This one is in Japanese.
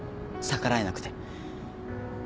逆らえなくて。